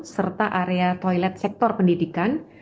serta area toilet sektor pendidikan